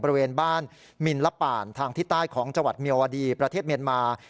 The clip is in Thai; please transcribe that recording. บริเวณบ้านมินละป่านทางที่ใต้ของจังหวัดเมียวดีประเทศเมียนมา